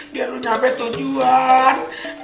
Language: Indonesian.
biar lo nyampe tujuan